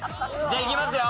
じゃあいきますよ